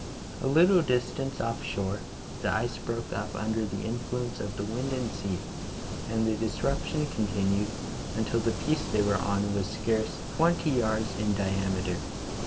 A little distance offshore the ice broke up under the influence of the wind and sea, and the disruption continued until the piece they were on was scarce twenty yards in di ameter.